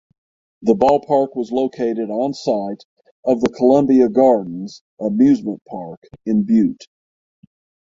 The ballpark was located on site of the Columbia Gardens (amusement park) in Butte.